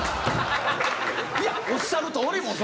いやおっしゃるとおりもうそれはね。